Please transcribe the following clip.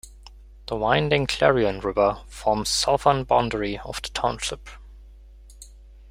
The winding Clarion River forms southern boundary of the township.